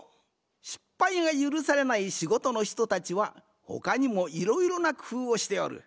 失敗がゆるされないしごとのひとたちはほかにもいろいろなくふうをしておる。